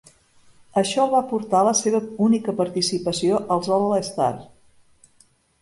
Això el va portar a la seva única participació als All-Star.